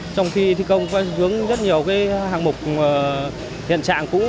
trong khi thi công có hướng rất nhiều hạng mục hiện trạng cũ